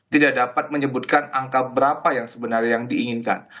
tidak dapat menyebutkan angka berapa yang sebenarnya yang diinginkan